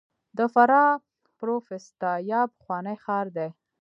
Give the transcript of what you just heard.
د فراه پروفتاسیا پخوانی ښار دی